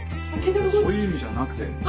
そういう意味じゃなくて。